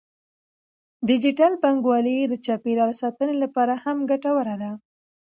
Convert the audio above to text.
ډیجیټل بانکوالي د چاپیریال ساتنې لپاره هم ګټوره ده.